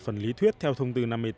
phần lý thuyết theo thông tư năm mươi tám